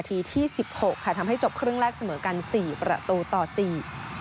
ทีที่สิบหกค่ะทำให้จบครึ่งแรกเสมอกันสี่ประตูต่อสี่